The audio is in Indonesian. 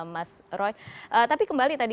mas roy tapi kembali tadi